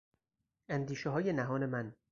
اندیشههای نهان من